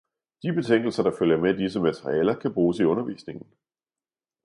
De betingelser der følger med disse materialer kan bruges i undervisningen